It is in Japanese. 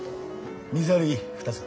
水割り２つ。